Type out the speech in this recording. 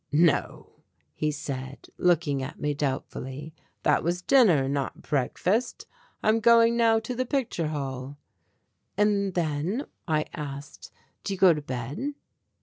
"No," he said, looking at me doubtfully, "that was dinner, not breakfast. I am going now to the picture hall." "And then," I asked, "do you go to bed?"